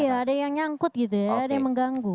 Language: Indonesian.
iya ada yang nyangkut gitu ya ada yang mengganggu